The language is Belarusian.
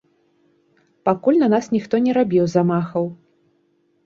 Пакуль на нас ніхто не рабіў замахаў.